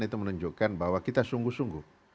itu menunjukkan bahwa kita sungguh sungguh